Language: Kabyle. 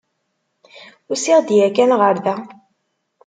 Usiɣ-d yakan ɣer da.